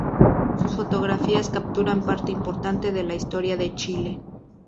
Sus fotografías capturan parte importante de la historia de Chile.